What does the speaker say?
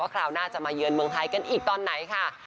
คราวหน้าจะมาเยือนเมืองไทยกันอีกตอนไหนค่ะ